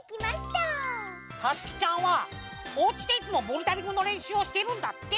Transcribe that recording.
たつきちゃんはおうちでいつもボルダリングのれんしゅうをしているんだって！